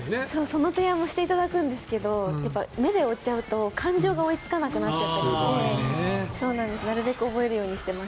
その提案もしていただくんですけどやっぱり目で追っちゃうと感情が追いつかなくなっちゃったりしてなるべく覚えるようにしてます。